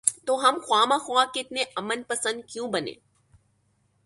تو ہم خواہ مخواہ کے اتنے امن پسند کیوں بنیں؟